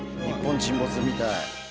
「日本沈没」みたい。